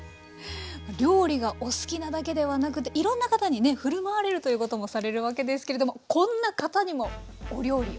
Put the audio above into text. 料理がお好きなだけではなくていろんな方にふるまわれるということもされるわけですけれどもこんな方にもお料理を。